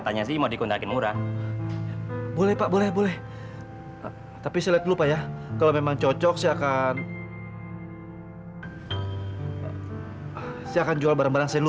agar kita bisa hidup mandiri